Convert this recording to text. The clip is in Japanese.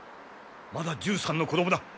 まだ１３の子供だ。